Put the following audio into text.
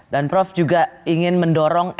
dan prof juga ingin mendorong